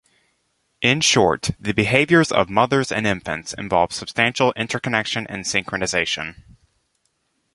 In short, the behaviors of mothers and infants involve substantial interconnection and synchronization.